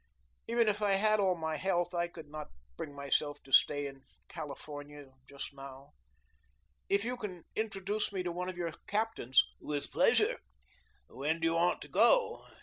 Even if I had all my health, I could not bring myself to stay in California just now. If you can introduce me to one of your captains " "With pleasure. When do you want to go?